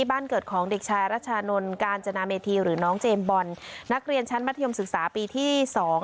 บ้านเกิดของเด็กชายรัชานนท์กาญจนาเมธีหรือน้องเจมส์บอลนักเรียนชั้นมัธยมศึกษาปีที่สอง